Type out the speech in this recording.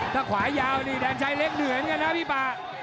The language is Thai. ถ้าขวายาวนี่แดนชัยเล็กเหมือนกันนะพี่ป่า